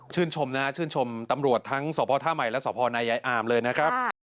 ชมนะฮะชื่นชมตำรวจทั้งสพท่าใหม่และสพนายายอามเลยนะครับ